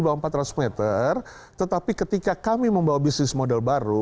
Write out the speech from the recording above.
di bawah empat ratus meter tetapi ketika kami membawa bisnis model baru